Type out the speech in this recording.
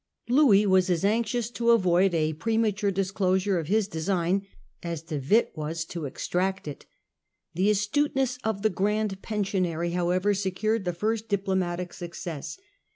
Louis was as anxious to avoid a premature disclosure of his design as De Witt was to extract it. The astuteness of the Grand Pensionary however secured the first diplo matic success.